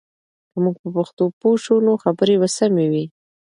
که موږ په پښتو پوه شو، نو خبرې به سمې وي.